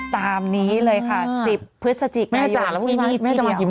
ตามนี้เลยค่ะ๑๐พฤศจิกายนที่นี่ที่เดียว